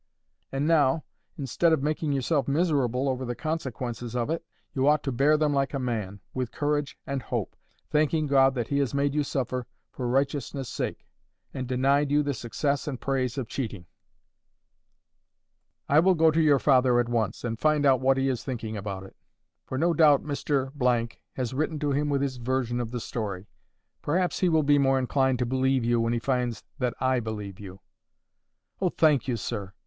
And now, instead of making yourself miserable over the consequences of it, you ought to bear them like a man, with courage and hope, thanking God that He has made you suffer for righteousness' sake, and denied you the success and the praise of cheating. I will go to your father at once, and find out what he is thinking about it. For no doubt Mr— has written to him with his version of the story. Perhaps he will be more inclined to believe you when he finds that I believe you." "Oh, thank you, sir!"